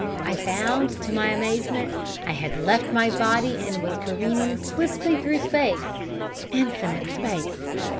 I found, to my amazement, I had left my body and was careering swiftly through space infinite space.